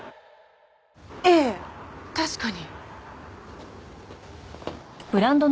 ええ確かに。